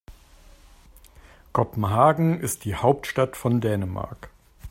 Kopenhagen ist die Hauptstadt von Dänemark.